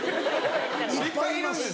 いっぱいいます。